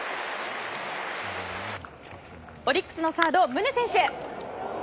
オリンピックのサード、宗選手。